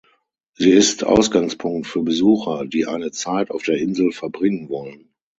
Sie ist Ausgangspunkt für Besucher, die eine Zeit auf der Insel verbringen wollen.